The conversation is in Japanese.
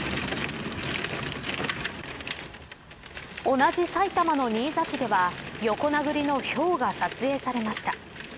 同じ埼玉の新座市では横殴りのひょうが撮影されました。